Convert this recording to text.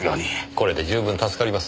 これで十分助かります。